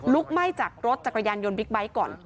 ไหม้จากรถจักรยานยนต์บิ๊กไบท์ก่อน